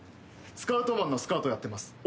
スカウトマンのスカウトをやってます